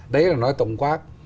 đấy là nói tổng quát